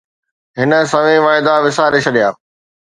هن سوين واعدا وساري ڇڏيا